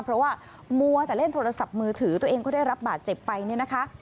เพราะว่ามัวแต่เล่นโทรศัพท์มือถือตัวเองก็ได้รับบาดเจ็บไปเนี่ยนะคะ